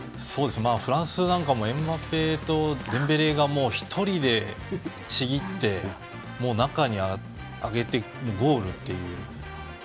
フランスもエムバペとデンベレが１人でちぎって中に上げてゴールっていう。